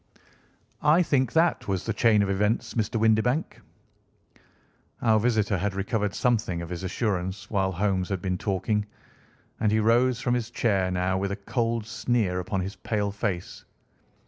I think that was the chain of events, Mr. Windibank!" Our visitor had recovered something of his assurance while Holmes had been talking, and he rose from his chair now with a cold sneer upon his pale face.